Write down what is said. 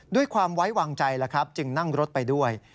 ด้วยความไว้วางใจจึงนั่งรถไปด้วย